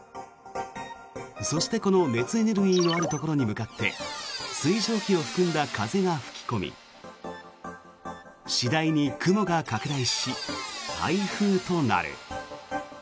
そして、この熱エネルギーのあるところに向かって水蒸気を含んだ風が吹き込み次第に雲が拡大し、台風となる。